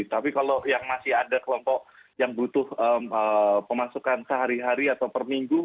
tapi kalau yang masih ada kelompok yang butuh pemasukan sehari hari atau per minggu